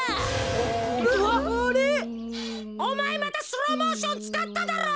おまえまたスローモーションつかっただろう。